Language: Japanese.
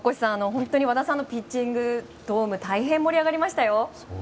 本当に和田さんのピッチングドームも大変盛り上がりましたよ！